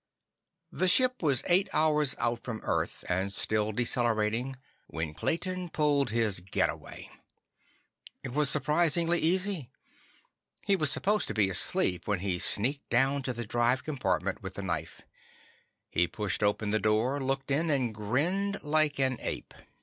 The ship was eight hours out from Earth and still decelerating when Clayton pulled his getaway. It was surprisingly easy. He was supposed to be asleep when he sneaked down to the drive compartment with the knife. He pushed open the door, looked in, and grinned like an ape.